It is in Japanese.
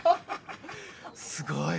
すごい。